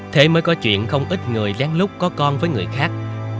thế mới có chuyện không ít người lén lút có con với người khác